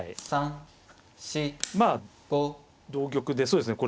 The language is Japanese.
まあ同玉でそうですね